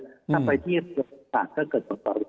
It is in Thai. ถ้าไปที่ต่างก็เกิดต่อต่างครับ